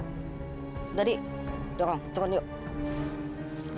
nggak di dorong turun yuk